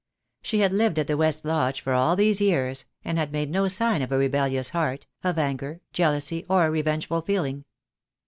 She had lived at the West Lodge for all these years, and had made no sign of a rebellious heart, of anger, jealousy, or revengeful feeling.